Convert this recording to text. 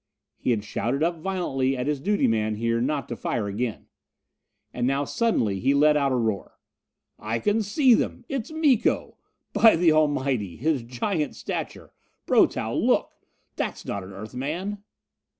He had shouted up violently at his duty man here not to fire again. And now he suddenly let out a roar. "I can see them! It's Miko! By the Almighty his giant stature Brotow, look! That's not an Earthman!"